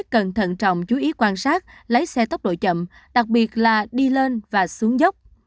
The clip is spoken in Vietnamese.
quan trọng chú ý quan sát lấy xe tốc độ chậm đặc biệt là đi lên và xuống dốc